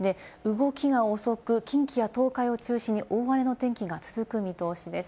動きが遅く、近畿や東海を中心に大荒れの天気が続く見通しです。